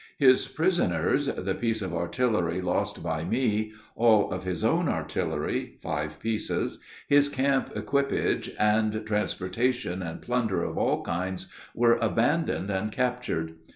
His prisoners, the piece of artillery lost by me, all of his own artillery (five pieces), his camp equipage, and transportation and plunder of all kinds, were abandoned and captured.